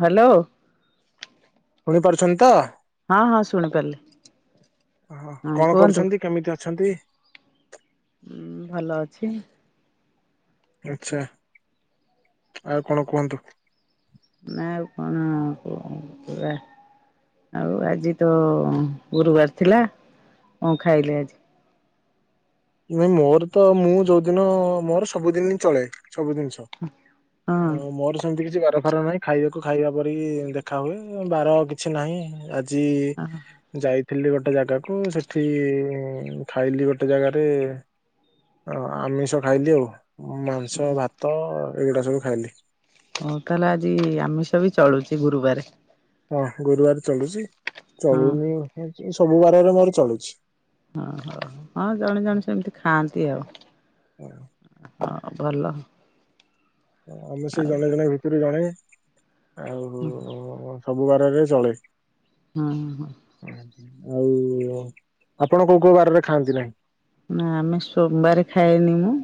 Hello. ଶୁଣି ପାରୁଛନ୍ତି ତ? ହଁ ହଁ ଶୁଣିପାରିଲି ଓ ହଁ କଣ କୁହନ୍ତୁ। କରୁଛନ୍ତି କେମିତି ଅଛନ୍ତି? ଉଁ ଭଲ ଅଛି। ଆଛା ଆଉ କଣ କୁହନ୍ତୁ? ନା କଣ ଆଉ ଆଜି ତ ଗୁରୁବାର ଥିଲା କଣ ଖାଇଲେ ଆଜି? ନାଇ ମୋର ତ ମୁଁ ଯୋଉଦିନ ମୋର ସବୁଦିନ ହିଁ ଚଳେ ସବୁ ଜିନିଷ। ହଁ ମୋର ସେମତି କିଛି ବାର ଫାର ନାହିଁ ଖାଇବାକୁ ଖାଇବା ପରେିକି ଦେଖା ହୁଏ ବାର କିଛି ନାହିଁ ଆ ଆଜି ଯାଇଥିଲି ଗୋଟେ ଜାଗାକୁ ସେଠି ଖାଇଲି ଗୋଟେ ଜାଗା ରେ ଆମିଷ ଖାଇଲି ଆଉ ମାଂସ ଭା ତ ଏଇଗୁଡା ସବୁ ଖାଇଲି। ଓଃ ତାହେଲେ ଆଜି ଆମିଷ ବି ଚଳୁଛି ଗୁରୁବାରେ। ହଁ ଗୁରୁବାର ଚଳୁଛି ହଁ। ଚଳୁନି ସବୁ ବାରରେ ମୋର ଚଳୁଛି। ଓ ହୋଉ ହଁ ଜଣେ ଜଣେ ସେମିତି ଖାଆନ୍ତି ଆଉ। ହଁ ଭଲ। ଆମେ ସେ ଆଉ ଜଣେ ଜଣେ ଭିତରୁ ଜଣେ ଆଉ ସବୁ ବାରରେ ଚଳେ। ହୁଁ ହଁ। ଆଉ ଆପଣ କୋଉ କୋଉ ବାରରେ ଖାଆନ୍ତି ନାହିଁ? ନା ଆମେ ସୋମବାର ଖାଇନେ ମୁଁ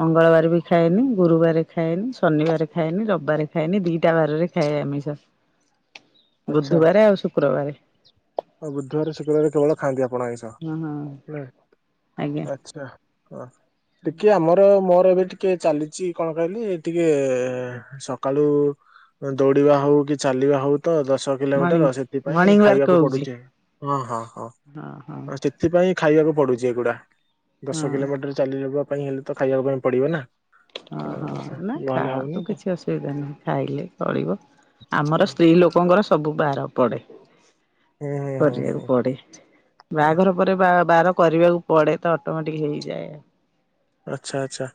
ମଙ୍ଗଳବାର ବି ଖାଏନି ଗୁରୁବାରରେ ଖାଏନି ଶନିବାରେ ଖାଏନି ରବିବାର ଖାଏନି ଦିଟା ବାରରେ ଖାଏ ଆମିଷ। ଆଚ୍ଛା ବୁଧବାରେ ଆଉ ଶୁକ୍ରବାରେ। ଆଉ ବୁଧବାରେ ଶୁକ୍ରୁବାରେ କେବଳ ଖାଆନ୍ତି ଆପଣ ଆଇଁସ ହଁ ହଁ ନା ଆଜ୍ଞା ଆଛା। ହ ଟିକେ ଆମର ମୋର ଏବେ ଟି ଟିକେ ଚାଲିଚି କଣ କହିଲି ଟିକେ ସକାଳୁ ଦୌଡିବା ହଉ କି ଚାଲିବା ହଉ ତ ଦଶ ମର୍ଣ୍ଣିଂ କିଲୋମିଟର ସେଥିପାଇଁ ମର୍ଣ୍ଣିଂ ୱାର୍କ ଖାଇବାକୁ ପଡୁ ହଁ ହଉଛି। ହଁ ହଁ ସେଥିପାଇଁ ଖାଇବାକୁ ପଡୁଛି ଏଗୁଡା। ହଁ ଦଶ କିଲୋମିଟର ଚାଲିକିଯିବା ପାଇଁ ହେଲେ ତ ଖାଇବା ପାଇଁ ପଡିବ ନା। ଅହଁ ଅ, ହଁ ନା ନହେଲେ ହଉନି ଖାଆନ୍ତୁ ତ। କିଛି ଅସୁବିଧା ନାହିଁ ଖାଇଲେ ଚଳିବ ହୁଁ ଆମର ସ୍ତ୍ରୀ ଲୋକଙ୍କର ସବୁ ବାର ପଡେ। ହୁଁ ହୁଁ କରିବାକୁ ହୁଁ। ପଡ଼େ। ବାହାଘର ପରେ ବାର କରିବାକୁ ପଡେ ତ ଅଟୋମେଟିକ ହେଇଯାଏ। ଆଛା ଆଛା।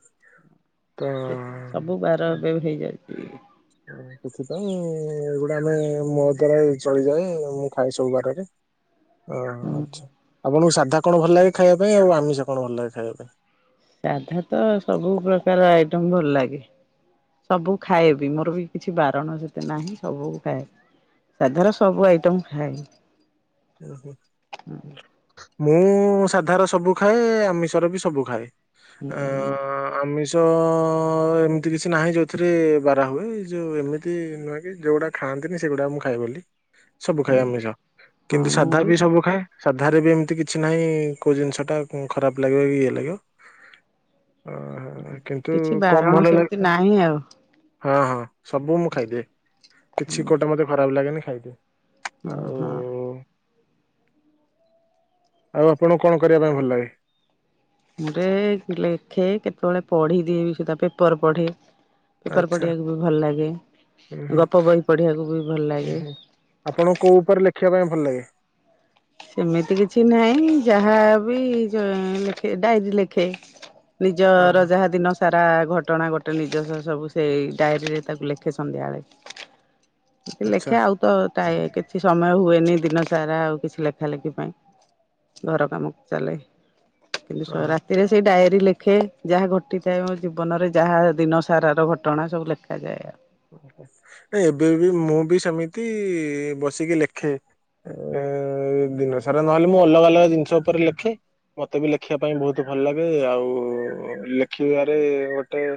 ସେ ସବୁ ବାର ଏବେ ହେଇଯାଉଚି ସେଥିପାଇଁ ଏଗୁଡ଼ା ଆମେ ମୋ ଦ୍ଵାରା ଚଳିଯାଏ ମୁଁ ଖାଏ ସବୁ ବାରରେ। ଅହ ହଁ। ଆଛା ଆପଣଙ୍କୁ ସାଧା କଣ ଭଲ ଲାଗେ ଖାଇବା ପାଇଁ ଆଉ ଆମିଷ କଣ ଭଲ ଲାଗେ ଖାଇବା ପାଇଁ? ସାଧା ତ ସବୁ ପ୍ରକାର ଆଇଟମ ଭଲ ଲାଗେ। ସବୁ ଖାଏବି ମୋର ବି କିଛି ବାରଣ ସେତେ ନାହିଁ ସବୁ ଖାଏ। ସାଧାର ସବୁ ଆଇଟମ୍ ଖାଏ। ଉହୁଁ। ମୁଁ ସାଧାର ସବୁ ଖାଏ ଆମିଷର ବି ସବୁ ଖାଏ ଏଁ ଖାଏ। ଆମିଷ ଷ ଏମିତି କିଛି ନାହିଁ ଯୋଉଁଥିରେ ବାରା ହୁଏ ଯେଉଁ ଏମିତି ନୁହେଁ କି ଯୋଉଁଟା ଖାଆନ୍ତିନି ସେଗୁଡ଼ା ମୁଁ ଖାଏ ବୋଲି ସବୁ ଖାଏ ଆମିଷ ହଁ କିନ୍ତୁ ମୁଁ ସାଧା ବି ସବୁ ଖାଏ। ସାଧାରେ ବି ଏମିତି କିଛି ନାହିଁ କୋଉଁ ଜିନିଷ ଟା ଖରାପ ଲାଗିବ କି ଇଏ ଲାଗିବ। ଓହ କିନ୍ତୁ କିଛି କମ ବାରଣ ଭଲ ଲାଗେ। ସେମିତି ନାହିଁ ଆଉ ହଁ ହଁ ସବୁ ମୁଁ ଖାଇଦିଏ କିଛି କୋଉଁଟା ମତେ ଖରାପ ଲାଗେନି ଖାଇଦିଏ। ଅ ଆଉ ହଁ। ଆଉ ଆପଣଙ୍କୁ କଣ କରିବା ପାଇଁ ଭଲ ଲାଗେ? ମୁଁ ଟିକେ ଲେଖେ କେତେବେଳେ ପଢି ଦିଏ ବି ସେଧ ପେପର ପଢ଼େ। ପେପର ଆଚ୍ଛା ପଢିବାକୁ ବି ଭଲ ଲାଗେ ହୁଁ ହୁଁ ଗପ ବହି ପଢିବାକୁ ବି ଭଲ ହୁଁ ଲାଗେ। ହୁଁ ଆପଣଙ୍କୁ କୋଉଁ ଉପରେ ଲେଖିବା ପାଇଁ ଭଲ ଲାଗେ? ସେମିତି କିଛି ନାହିଁ ଯାହା ବି ଲେଖେ ଡାଇରୀ ଲେଖେ। ନିଜର ଓହୋ ଯାହା ଦିନ ସାରା ଘଟଣା ଘଟେ ନିଜସ୍ ସବୁ ସେଇ ଡାଏରୀରେ ତାକୁ ଲେଖେ ସନ୍ଧ୍ୟାବେଳେ। କିଛି ଆଚ୍ଛା ଲେଖେ ଆଉ ତ ଟା କିଛି ସମୟ ହୁଏନି ଦିନ ସାରା ଆଉ କିଛି ଲେଖା ଲେଖା ଲେଖି ପାଇଁ ଘର କାମ ଚାଲେ କିନ୍ତୁ ଅହ, ସରା ରାତିରେ ସେଇ ଡାଏରୀ ଲେଖେ ଯାହା ଘଟିଥାଏ ମୋ ଜୀବନରେ ଯାହା ଦିନସାରାର ଘଟଣା ସବୁ ଲେଖାଯାଏ ଆଉ ଓହୋ ନାଇଁ ଏବେ ବି ମୁଁ ବି ସେମିତି ବସିକି ଲେଖେ। ଦିନ ସାରା ନହେଲେ ମୁଁ ଅଲଗା ଅଲଗା ଜିନିଷ ଉପରେ ଲେଖେ ମତେ ବି ଲେଖିବା ପାଇଁ ବହୁତ ଭଲ ଲାଗେ ଆଉ ଲେଖିବାରେ ଗୋଟେ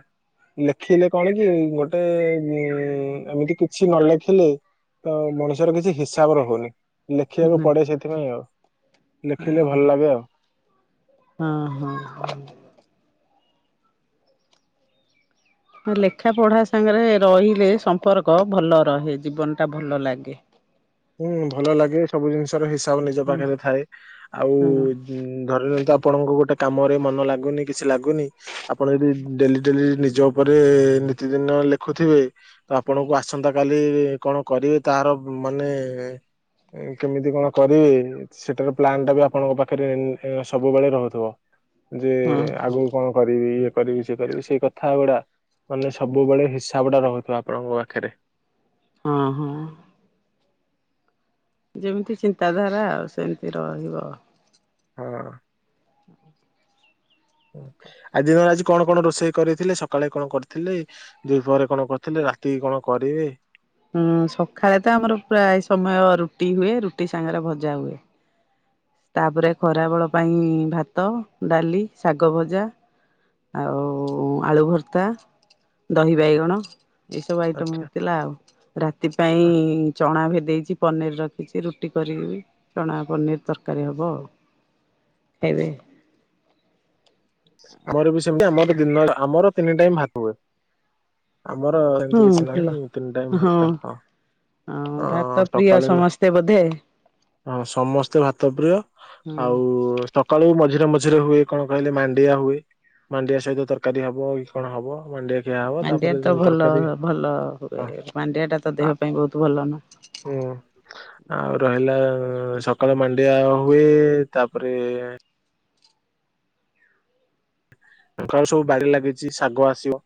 ଲେଖିଲେ କଣ କି ଗୋଟେ ଉଁ ଏମିତି କିଛି ନଲେଖିଲେ ତ ମଣିଷର କିଛି ହିସାବ ରହେନି। ଲେଖିବାକୁ ପଡେ ସେଥିପାଇଁ ଆଉ ଲେଖିଲେ ଭଲ ଲାଗେ ଆଉ। ହୁଁ ହୁଁ। ଲେଖା ପଢା ସାଙ୍ଗରେ ରହିଲେ ସମ୍ପର୍କ ଭଲ ରହେ ଜୀବନ ଟା ଭଲ ଲାଗେ। ହୁଁ ଭଲ ଲାଗେ ସବୁ ଜିନିଷ ର ହିସାବ ନିଜ ହଁ ପାଖରେ ଥାଏ ଆଉ ହଁ ଧରି ନିଅନ୍ତୁ ଆପଣଙ୍କୁ ଗୋଟେ କାମରେ ମନ ଲାଗୁନି କିଛି ଲାଗୁନି ଆପଣ ଯଦି ଡେଲି ଡେଲି ନିଜ ଉପରେ ନିତିଦିନ ଲେଖୁଥିବେ ତ ଆପଣଙ୍କୁ ଆସନ୍ତା କାଲି କଣ କରିବେ ତାର ମାନେ କେମିତି କଣ କରିବି ସେଟାର ପ୍ଲାନ ଟା ବି ଆପଣଙ୍କ ପାଖରେ ସବୁବେଳେ ରହୁଥିବ ଯେ ହଁ ଆଗକୁ କଣ କରିବି ଇଏ କରିବି ସିଏ କରିବି ସେଇ କଥା ଗୁଡା ମାନେ ସବୁବେଳେ ହିସାବ ଟା ରହୁଥିବା ଆପଣଙ୍କ ପାଖରେ। ଅହଂ ହଁ। ଯେମିତି ଚିନ୍ତାଧାରା ଆଉ ସେମିତି ରହିବ। ହଁ। ଆ [inaudible] ଆଜି ଦିନ ଆଜି କଣ କଣ ରୋଷେଇ କରିଥିଲେ ସକାଳେ କଣ କରିଥିଲେ? ଦି ପହରେ କଣ କରିଥିଲେ ରାତି କଣ କରିବେ? ହୁଁ ସକାଳେ ତ ଆମର ପ୍ରାୟ ସମୟ ରୁଟି ହୁଏ ରୁଟି ସାଙ୍ଗରେ ଭଜା ହୁଏ। ତାପରେ ଖରାବେଳ ପାଇଁ ଭାତ ଡାଲି ଶାଗ ଭଜା ଆଉ ଆଳୁ ଭର୍ତ୍ତା ଦହି ବାଇଗଣ ଏଇ ସବୁ ଆଇଟମ ଆଚ୍ଛା। ହେଇଥିଲା ଆଉ ରାତି ପାଇଁ ଚଣା ଭେଦେଇଛି ପନିର ରଖିଛି ରୁଟି କରିକି ଚଣା ପନିର ତରକାରୀ ହେବ ଆଉ ଖାଇବେ ଆମର ବି ସେମତି ଆମ ଆମର ତିନି ଟାଇମ୍ ଭାତ ହୁଏ। ଆମର ଏମତି ହୁଁ କିଛି ଭଲ। ନାହିଁ ତିନି ଟାଇମ୍ ଭାତ ହଁ ହଁ ଅ ଭାତ ପ୍ରିୟ ସକାଳୁ ସମସ୍ତେ ବୋଧେ ହଁ ସମସ୍ତେ ଭାତ ପ୍ରିୟ ହଁ। ଆଉ ସକାଳୁ ମଝିରେ ମଝିରେ ହୁଏ କଣ କହିଲେ ମାଣ୍ଡିଆ ହୁଏ ମାଣ୍ଡିଆ ସହିତ ତରକାରୀ ହବ କଣ ହବ ମାଣ୍ଡିଆ ଖିଆ ହବ ମାଣ୍ଡିଆ ତାପରେ ତ ଭଲ ତରକାରୀ ଭଲ ହୁଏ ହଁ ମାଣ୍ଡିଆ ଟା ତ ଆ ଦେହ ପାଇଁ ବହୁତ ଭଲ ନା ହୁଁ ଆଉ ରହିଲା ସକାଳ ମାଣ୍ଡିଆ ହୁଏ ତାପରେ ସକାଳ ସବୁ ବାଡ଼ି ଲାଗିଛି ଶାଗ ଆସିବ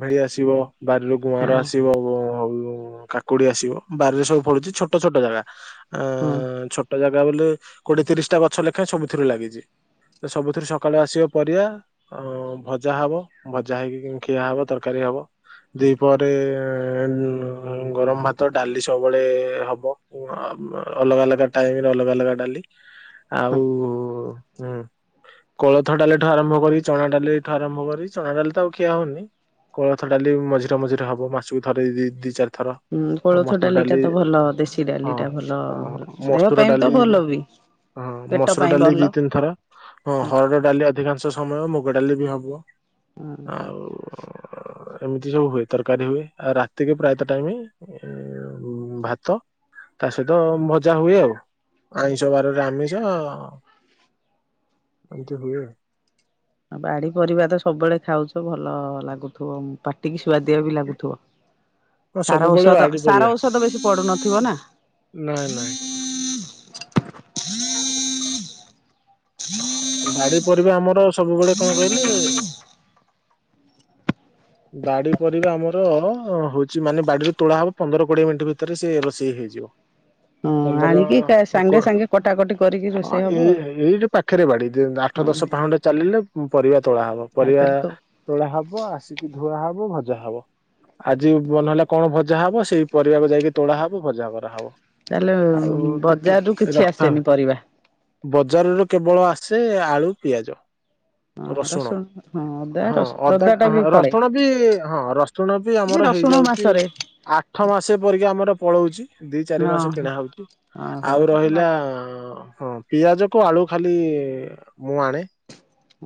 ଭେଳି ଆସିବ ବାରିରୁ ହଁ ଗୁଆଁର ଆସିବ [unintelligible] ହଉା କୋଡି ଆସିବ ବାରିରେ ସବୁ ପଳୁଛି ଛୋଟ ଛୋଟ ଜାଗା ଉଁ। ଛୋଟ ଜାଗା ବୋଲେ କୋଡିଏ ତିରିଶ ଟା ଗଛ ଲେଖାଏଁ ସବୁଥିରେ ଲାଗିଛି ସବୁଥିରେ ସକାଳୁ ଆସିବା ପରିବା ଅ ଭଜା ହବ ଭଜା ହେଇକି ଖିଆ ହବ ତରକାରୀ ହବ ଦି ପରେ ଗରମ ଭାତ ଡାଲି ସବୁବେଳେ ହବ ଅଲଗା ଅଲଗା ଟାଇମରେ ଅଲଗା ଅଲଗା ଡାଲି ଆଉ ହୁଁ କୋଳଥ ଡାଲି ଠୁ ଆରମ୍ଭ କରି ଚଣା ଡାଲି ଠୁ ଆରମ୍ଭ କରି ଚଣା ଡାଲି ତ ଆଉ ଖିଆ ହଉନି କୋଳଥ ଡାଲି ମଝିରେ ମଝିରେ ହବ ମାସକୁ ଥରେ ଦ ଦିଇ ଚାରି ଥର ହୁଁ କୋଳଥ ମସ୍ତୁର ଡାଲିଟା ଡାଲି ତ ଭଲ ଦେଶୀ ହଁ ଡାଲିଟା ଭଲ ଦେହ ମସ୍ତୁର ପାଇଁ ତ ଡାଲି ଭଲ ବି। ହଁ ପେଟ ମସୁର ପାଇଁ ଡାଲି ଭଲ ଦି ତିନି ଥର ହଁ ହରଡ ଡାଲି ଅଧିକାଂଶ ସମୟ ମୁଗ ଡାଲି ବି ହବ ଆଉ ଏମିତି ସବୁ ହୁଏ ତରକାରୀ ହୁଏ ଆଉ ରାତିକ ପ୍ରାୟତଃ ଟାଇମି ଉଁ ଭାତ ତା ସହିତ ଭଜା ହୁଏ ଆଉ ଆଇଁଷ ବାରରେ ଆମିଷ ଏମତି ହୁଏ ଆ ବାଡି ପରିବା ତ ସବୁବେଳେ ଖାଉଛ ଭଲ ଲାଗୁଥିବ ପା ଟିକେ ସୁ୍ୱାଦିଆ ବି ଲାଗୁଥିବ ସାର ସବୁବେଳେ ଔଷଧ ବାଡି ସାର ପରିବା ଔଷଧ ବେଶୀ ପଡୁନଥିବ ନା ନାଇଁ ନାଇଁ ବାଡି ପରିବା ଆମର ସବୁବେଳେ କଣ କହିଲେ ବାଡି ପରିବା ଆମର ହଉଛି ମାନେ ବାଡିରୁ ତୋଳା ହବ ପନ୍ଦର କୋଡିଏ ମିନିଟ ଭିତରେ ସେ ରୋଷେଇ ହେଇଯିବ ହଁ। ପନ୍ଦର ଆଣିକି ସାଙ୍ଗେ କୋ ସାଙ୍ଗେ କଟାକଟି କରିକି ହଁ ରୋଷେଇ ହବ ଏଇ ଆଉ। ଏଇଟ ପାଖରେ ବାଡି ଆଠ ହଁ ଦଶ ହଁ ପାହୁଣ୍ଡ ଚାଲିଲେ ପରିବା ତୋଳା ହବ ଆଉ ପରିବା ତାହେଲେ ତ ତୋଳା ହବ ଆସିକି ଧୁଆ ହବ ଭଜା ହବ ଆଜି ମନ ହେଲା କଣ ଭଜା ହବ ସେଇ ପରିବାକୁ ଯାଇକି ତୋଳା ହବ ଭଜା କରାହବ ତାହେଲେ [unintelligible] ଆଉଛି ବଜାରରୁ କିଛି ରଖ ଆସେନି ପରିବା। ବଜାରରୁ କେବଳ ଆସେ ଆଳୁ ପିଆଜ ହଁ ରସୁଣ ହଁ ଅଦା ହଁ ରସୁଣ ଅଦା ଟା ବି ର ପଡେ ରସୁଣ ବି ହଁ ରସୁଣ ବି ଆମର ରସୁଣ ହେଇଯାଉଛି ମାସରେ। ଆଠ ମାସ ପରିକା ଆମର ପଳଉଛି ଦି ଚାରି ହଁ ମାସ କିଣା ହଉଛି ଓହୋ ଆଉ ଏଟା ତ ରହିଲା ବାଡି ହଁ ପିଆଜ କୁ ଆଳୁ ଖାଲି ମୁଁ ଆଣେ।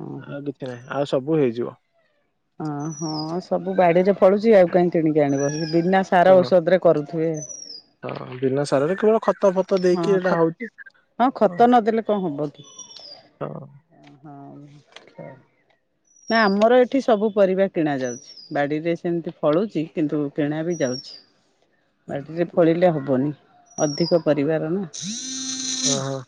ଓ କିଛି ନାହିଁ। ଆଉ ସବୁ ହେଇଯିବ। ଅ ହଁ ସବୁ ବାଡିରେ ଫଳୁଛି ଆଉ କାହିଁ କିଣିକି ଆଣିବ? ବିନା ସାର ହଁ ଔଷଧରେ କରୁଥିବେ। ହଁ ବିନା ସାରରେ କେବଳ ଖତ ଫତ ହଁ ଦେଇକି ଏଇଟା ଖତ ହଉଛି। ହଁ ଖତ ହ। ନଦେଲେ କଣ ହବ କି? ହଁ। ନା ଆମର ଏଠି ସବୁ ପରିବା କିଣା ଯାଉଛି। ବାଡିରେ ସେମିତି ଫଳୁଛି କିନ୍ତୁ କିଣା ବି ଯାଉଛି। ବାଡିରେ ଫଳିଲେ ହବନି ଅଧିକ ପରିବାର ନା? ଓହୋ।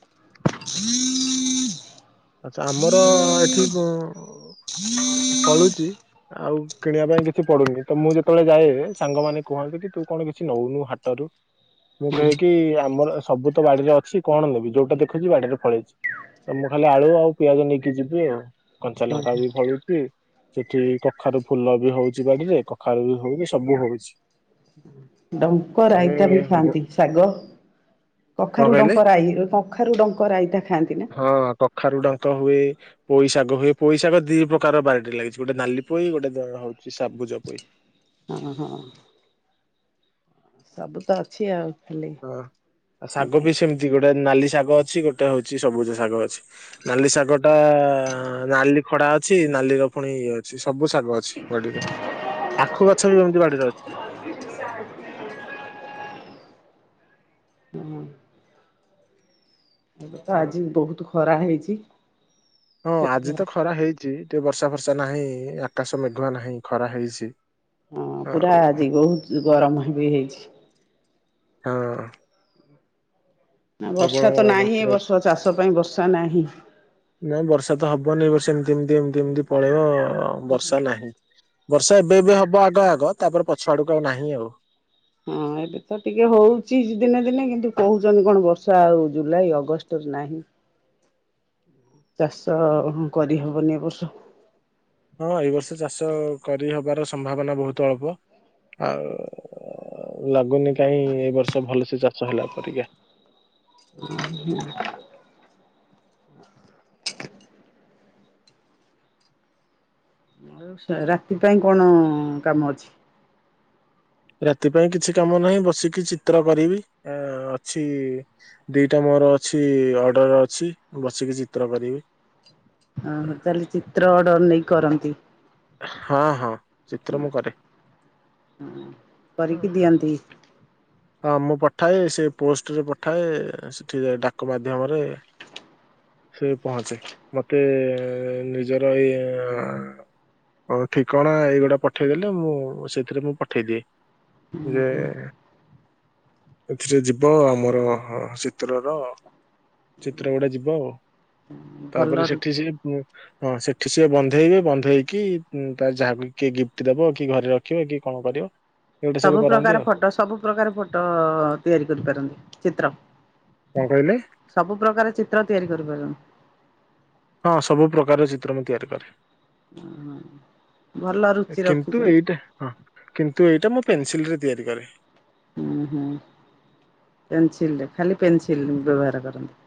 ଆଚ୍ଛା ଆମର ଏଠି ପଳୁଛି? ଆଉ କିଣିବା ପାଇଁ କିଛି ପଡୁନି। ତ ମୁଁ ଯେତେବେଳେ ଯାଏ ସାଙ୍ଗମାନେ କୁହନ୍ତି କି ତୁ କଣ କିଛି ନଉନୁ ହାଟରୁ? ମୁଁ କହେକି ଆମର ସବୁ ତ ବାଡିରେ ଅଛି। କଣ ନେବି? ଯୋଉଟା ଦେଖୁଛି ବାଡିରେ ଫଳେଇଛି। ତ ମୁଁ ଖାଲି ଆଳୁ ଆଉ ପିଆଜ ନେଇକି ଯିବି ଆଉ। କଞ୍ଚା ଲଙ୍କା ବି ଫଳୁ ଚି। ସେଠି କଖାରୁ ଫୁଲ ବି ହଉଛି ବାଡିରେ। କଖାରୁ ବି ହଉଛି। ସବୁ ହଉଛି। ହୁଁ। ଡଙ୍କ ଆମେ ରଇତା ବି ବ- ଖାଆନ୍ତି। ଶାଗ? କଣ କଖାରୁ କହିଲେ ଡଙ୍କ ରାଇ, କଖାରୁ ଡଙ୍କ ରାଇତା ଖାଆନ୍ତି ନା? ହଁ କଖାରୁ ଡଙ୍କ ହୁଏ। ପୋଇଶାଗ ହୁଏ। ପୋଇଶାଗ ଦି ପ୍ରକାର ବାଡିରେ ଲାଗିଛି। ଗୋଟେ ନାଲି ପୋଇ ଗୋଟେ ଦେ ହଉଛି ସବୁଜ ପୋଇ। ଅ ହଁ। ସବୁ ତ ଅଛି ଆଉ। ଖାଲି ହଁ। ଆଉ ଶାଗ କାହିଁ ବି ସେମିତି। ଗୋଟେ ନାଲି ଶାଗ ଅଛି ଗୋଟେ ହଉଛି ସବୁଜ ଶାଗ ଅଛି। ନାଲି ଶାଗ ଟା ନାଲି ଖଡା ଅଛି। ନାଲିର ପୁଣି ଇଏ ଅ ଛି। ସବୁ ଶାଗ ଅଛି ବାଡିରେ। ଆଖୁ ଗଛ ବି ଏମିତି ବାଡିରେ ଅଛି। ହୁଁ ଏବେ ତ ହଉ। ଆଜି ବହୁତ ଖରା ହେଇଛି? ହଁ ଆଜି ତ ଖରା ହେଇଛି। ଟିକେ ବର୍ଷା ଫର୍ଷା ନାହିଁ। ଆକାଶ ମେଘୁଆ ନାହିଁ ଖରା ହେଇଛି। ହଁ ପୁରା ଆଉ ଆଜି ବହୁତ ଗରମ ବି ହେଇଛି। ହଁ। ନା ପ୍ରବଳ ବର୍ଷା ତ ନାହିଁ ଏ ମାତ୍ରାରେ ବର୍ଷ ଚାଷ ପାଇଁ ବର୍ଷା ନାହିଁ। ନା ବର୍ଷା ତ ହବନି। ଏ ବର୍ଷ ଏମତି ଏମତି ଏମତି ଏମିତି ପଳେଇବ ବର୍ଷା ନାହିଁ। ବର୍ଷା ଏବେ ବି ହବ ଆଗ ଆଗ। ତାପରେ ପଛଆ ଆଡକୁ ଆଉ ନାହିଁ ଆଉ। ହଁ ଏବେ ତ ଟିକେ ହଉଛି ଦିନେ ଦିନେ। କିନ୍ତୁ କହୁଛନ୍ତି କଣ ବର୍ଷା ଆଉ ଜୁଲାଇ ଅଗଷ୍ଟରେ ନାହିଁ? ଚାଷ ହଁ କରିହବନି ବର୍ଷ? ହଁ ଏଇ ବର୍ଷ ଚାଷ କରିହବାର ସମ୍ଭାବନା ବୋହୁତ ଅଳ୍ପ। ଆଉ ଲାଗୁନି କାହିଁ ଏ ବର୍ଷ ଭଲସେ ଚାଷ ହେଲା ପରିକା! ଉଁ ହୁଁ ଆଉ ରାତି ପାଇଁ କଣ କାମ ଅଛି? ରାତି ପାଇଁ କିଛି କାମ ନାହିଁ। ବସିକି ଚିତ୍ର କରିବି। ଆ ଅଛି ଦିଟା ମୋର ଅଛି। ଅର୍ଡର ଅଛି। ବସିକି ଚିତ୍ର କରିବି। ଓହୋ। ତାହେଲେ ଚିତ୍ର ଅର୍ଡର ନେଇକି କରନ୍ତି? ହଁ ହଁ। ଚିତ୍ର ମୁଁ କରେ। ହଁ। କରିକି ଦିଅନ୍ତି? ହଁ ମୁଁ ପଠାଏ। ସେ ପୋଷ୍ଟରେ ପଠାଏ। ସେଠି ଡାକ ମାଧ୍ୟମରେ ସେ ପହଞ୍ଚେ। ମତେ ନିଜର ଏଇ ଆ ହଉ [unintelligible] ଠିକଣା ଏଇଗୁଟା ପଠେଇଦେଲେ ମୁଁ ସେଥିରେ ମୁଁ ପଠେଇଦିଏ। ଯେ ଏଥିରେ ଯିବ ଆମର ଚିତ୍ରର ଚିତ୍ର ଗୁଡା ଯିବ ଆଉ। ଭଲ ତାପରେ ସେଠି ସେ ହଁ ସେଠି ସିଏ ବନ୍ଧେଇବେ। ବନ୍ଧେଇକି ତ ଯାହାକୁ କିଏ ଗିଫ୍ଟ ଦବ? କି ଘରେ ରଖିବ? କି କଣ କରିବ? ଏଗୁଡ଼ା ସବୁ କରନ୍ତି ପ୍ରକାର ଆଉ ଫଟ ସବୁ ପ୍ରକାର ଫଟ ତିଆରି କରିପାରନ୍ତି ଚିତ୍ର। କଣ କହିଲେ? ସବୁ ପ୍ରକାର ଚିତ୍ର ତିଆରି କରିପାରନ୍ତି? ହଁ ସବୁ ପ୍ରକାର ଚିତ୍ର ମୁଁ ତିଆରି କରେ। ଭଲ ରୁଚି କିନ୍ତୁ ରଖିଛନ୍ତି। ଏଇଟା ହଁ କିନ୍ତୁ ଏଇଟା ମୁଁ ପେନସିଲ୍ ରେ ତିଆରି କରେ। ହୁଁ-ହୁଁ ପେନ୍ସିଲ୍ ରେ ଖାଲି ପେନସିଲ୍ ବ୍ୟବହାର କରନ୍ତି।